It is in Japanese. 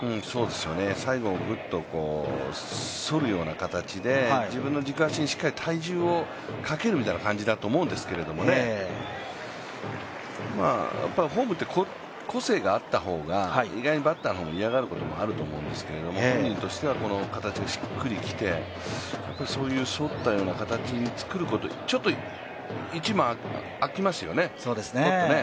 最後グッと反るような形で、自分の軸足に体重をかけるみたいな形だと思うんですけど、フォームって個性があった方が意外とバッターが嫌がることもあると思うんですけど本人としてはこの形がしっくりきてそういう反ったような形、ひと間空きますよね、ポッと。